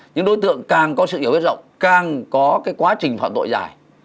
những đối tượng càng có sự hiểu biết rộng càng có quá trình phạm tội dài